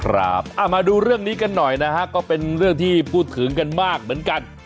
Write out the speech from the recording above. ครับมาดูเรื่องนี้กันหน่อยนะฮะก็เป็นเรื่องที่พูดถึงกันมากเหมือนกัน